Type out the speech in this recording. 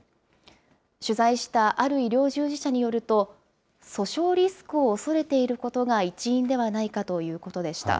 取材したある医療従事者によると、訴訟リスクを恐れていることが一因ではないかということでした。